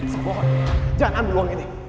semohon jangan ambil uang ini